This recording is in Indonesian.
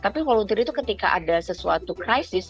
tapi volunteer itu ketika ada sesuatu krisis